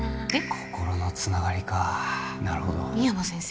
心の繋がりかなるほど深山先生？